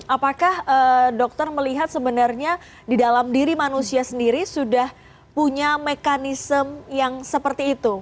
apakah dokter melihat sebenarnya di dalam diri manusia sendiri sudah punya mekanisme yang seperti itu